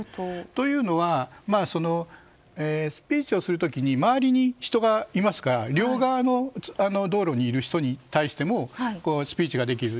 というのも、スピーチをする時に周りに人がいますから両側の道路にいる人に対してもスピーチができる。